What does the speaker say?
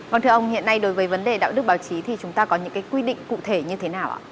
vâng thưa ông hiện nay đối với vấn đề đạo đức báo chí thì chúng ta có những quy định cụ thể như thế nào ạ